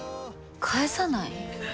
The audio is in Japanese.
返さない？